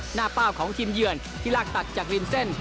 เป้าของทีมเยือนที่ลากตัดจากริมเส้น